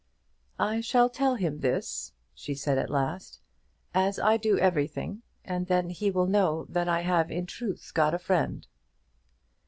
"I shall tell him this," she said at last, "as I do everything; and then he will know that I have in truth got a friend."